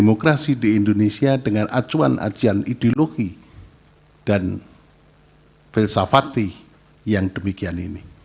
demokrasi di indonesia dengan acuan acuan ideologi dan filsafati yang demikian ini